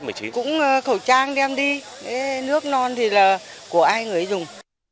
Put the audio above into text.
cũng khẩu trang đem đi nước non thì là của ai người ấy dùng